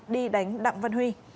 đi đánh đặng văn huy